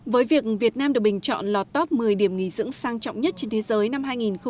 với việc việt nam được bình chọn là top một mươi điểm nghỉ dưỡng sang trọng nhất trên thế giới năm hai nghìn hai mươi